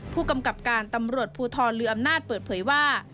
ผู้กำกับการตำรวจภูทรลืออำนาจเปิดเผยว่า